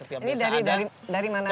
ini dari mana saja